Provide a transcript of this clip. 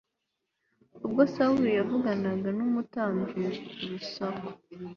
Ubwo Sawuli yavuganaga n umutambyi urusaku